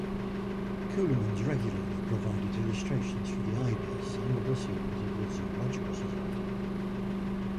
Keulemans regularly provided illustrations for "The Ibis" and "The Proceedings of the Zoological Society".